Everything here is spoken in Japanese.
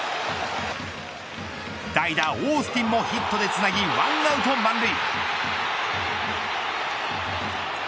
代打オースティンもヒットでつなぎ１アウト満塁。